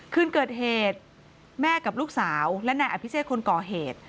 คืนเกิดเหตุแม่กับลูกสาวและนายอภิเชษคนก่อเหตุ